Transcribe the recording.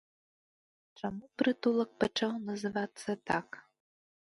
Чаму прытулак пачаў называцца так?